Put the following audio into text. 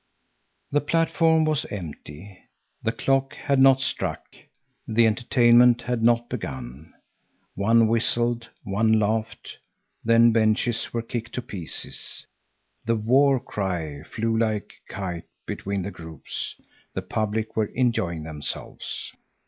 The platform was empty. The clock had not struck, the entertainment had not begun. One whistled, one laughed. The benches were kicked to pieces. "The War cry" flew like a kite between the groups. The public were enjoying themselves.